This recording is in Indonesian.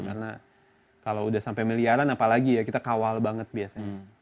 karena kalau udah sampai miliaran apalagi ya kita kawal banget biasanya